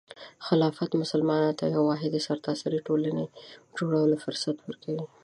خلافت مسلمانانو ته د یوې واحدې سرتاسري ټولنې د جوړولو فرصت ورکوي.